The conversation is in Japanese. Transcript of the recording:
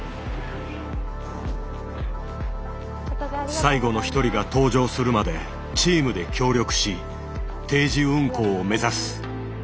最後の１人が搭乗するまでチームで協力し定時運航を目指す。